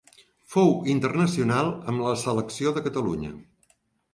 Fou internacional amb la selecció de Catalunya.